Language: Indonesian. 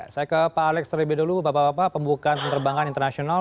saya ke pak alex terlebih dulu bapak bapak pembukaan penerbangan internasional